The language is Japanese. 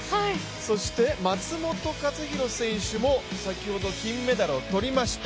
そして松元克央選手も先ほど金メダルをとりました。